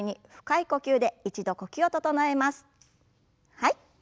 はい。